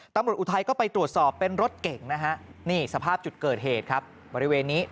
อุทัยก็ไปตรวจสอบเป็นรถเก่งนะฮะนี่สภาพจุดเกิดเหตุครับบริเวณนี้